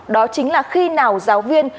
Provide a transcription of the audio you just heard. đó chính là khi nào giáo viên